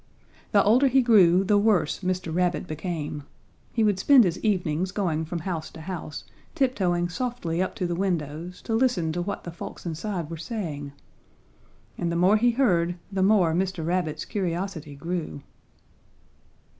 "The older he grew the worse Mr. Rabbit became. He would spend his evenings going from house to house, tiptoeing softly up to the windows to listen to what the folks inside were saying. And the more he heard the more Mr. Rabbit's curiosity grew.